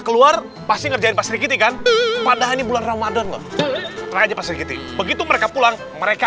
keluar pasti ngerjain pasti gitu kan padahal ini bulan ramadan begitu mereka pulang mereka